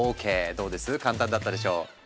どうです簡単だったでしょ。